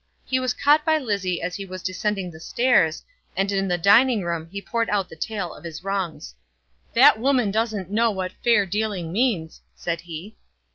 He was caught by Lizzie as he was descending the stairs, and in the dining room he poured out the tale of his wrongs. "That woman doesn't know what fair dealing means," said he.